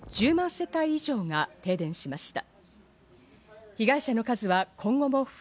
世帯以上が停電しました。